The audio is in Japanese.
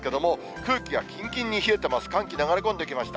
寒気流れ込んできました。